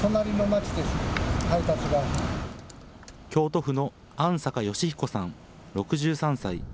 京都府の安坂禎彦さん６３歳。